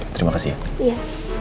terima kasih ya